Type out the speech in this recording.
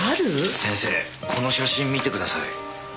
先生この写真見てください。